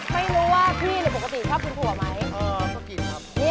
ไม่รู้ว่าพี่หรือปกติชอบกินถั่วไหมอ๋อชอบกินครับ